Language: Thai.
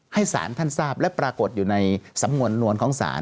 ให้สารท่านทราบและปรากฏอยู่ในสัมวนวลของสาร